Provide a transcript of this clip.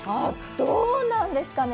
どうなんですかね。